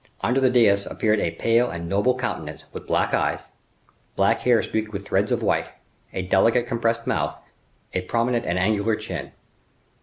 Under the dais appeared a pale and noble countenance with black eyes, black hair streaked with threads of white, a delicate, compressed mouth, a prominent and angular chin.